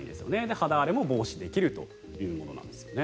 肌荒れも防止できるというものです。